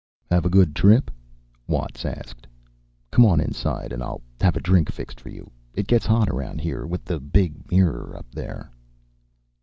"Have a good trip?" Watts asked. "Come on inside and I'll have a drink fixed for you. It gets hot around here, with the Big Mirror up there."